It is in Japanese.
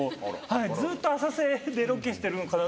はいずっと浅瀬でロケしてるのかな。